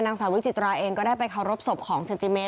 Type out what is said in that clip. นางสาววิจิตราเองก็ได้ไปเคารพศพของเซนติเมต